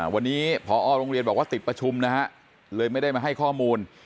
วันนี้พอโรงเรียนบอกว่าติดประชุมนะฮะเลยไม่ได้มาให้ข้อมูล